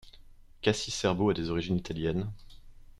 Cassie Scerbo a des origines italiennes.